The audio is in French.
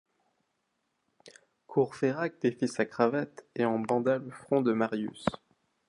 Courfeyrac défit sa cravate et en banda le front de Marius.